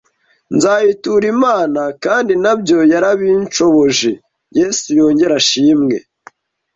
nzayitura Imana, kandi nabyo yarabinshoboje. Yesu yongere ashimwe!